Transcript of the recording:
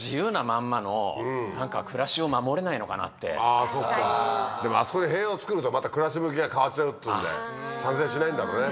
あぁそっかでもあそこで塀を作るとまた暮らし向きが変わっちゃうっていうんで賛成しないんだろうね